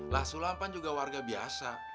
lah sulapan juga warga biasa